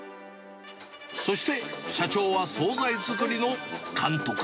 そして社長は総菜作りの監督。